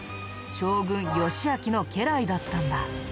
将軍義昭の家来だったんだ。